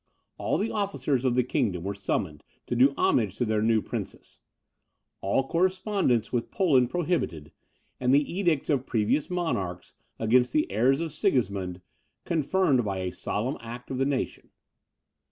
All the officers of the kingdom were summoned to do homage to their new princess; all correspondence with Poland prohibited, and the edicts of previous monarchs against the heirs of Sigismund, confirmed by a solemn act of the nation.